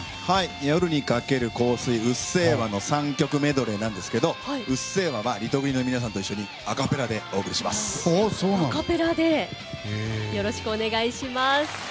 「夜に駆ける」「香水」、「うっせぇわ」の３曲メドレーなんですけど「うっせぇわ」はリトグリの皆さんと一緒によろしくお願いします。